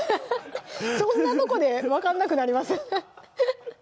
そんなとこで分かんなくなります？